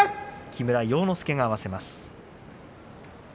木村要之助が合わせます。